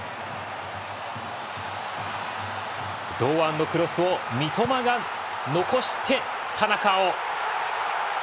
堂安のクロスを三笘が残して田中碧。